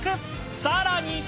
さらに。